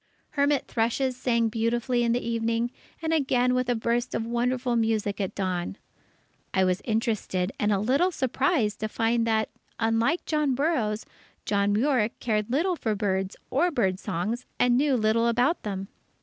Hermit thrushes sang beautifully in the evening, and again with a burst of wonderful music at dawn. I was interested and a little surprised to find that, unlike John Burroughs, John Muir cared little for birds or bird songs, and knew little about them.